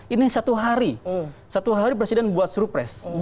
ini satu hari satu hari presiden buat surpres